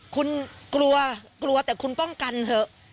คุณกลัวกลัวแต่คุณป้องกันเถอะ